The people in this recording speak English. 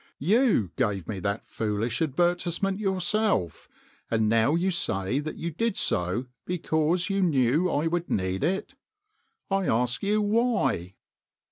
You gave me that foolish advertisement yourself, and now you say that you did so because you knew I would need it. I ask you why